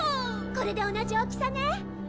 これで同じ大きさね。